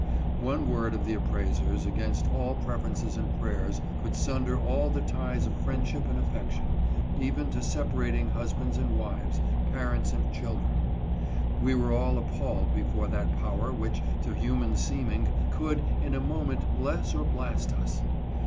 One word of the appraisers, against all preferences and prayers, could sunder all the ties of friendship and affec tion, even to separating husbands and wives, parents and children. We were all appalled before that power which, to human seeming, could, in a moment, bless or blast us.